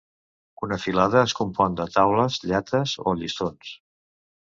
Una filada es compon de taules, llates o llistons.